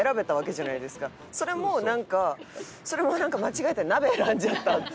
それもなんかそれもなんか間違えて鍋選んじゃったって。